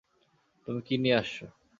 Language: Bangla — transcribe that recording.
তুমি কী নিয়ে আসছো?